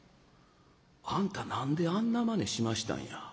あんた何であんなまねしましたんや。